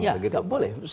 ya nggak boleh